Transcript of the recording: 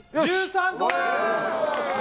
１３個です！